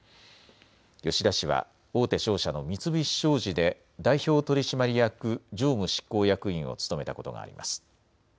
吉田氏は大手商社の三菱商事で代表取締役常務執行役員を務めたことがあります。